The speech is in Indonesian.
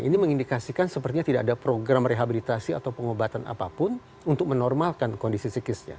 ini mengindikasikan sepertinya tidak ada program rehabilitasi atau pengobatan apapun untuk menormalkan kondisi psikisnya